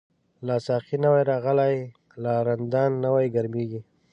لا ساقی نوی راغلی، لا رندان نوی گرمیږی